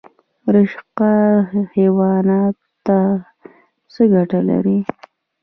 رشقه حیواناتو ته څه ګټه لري؟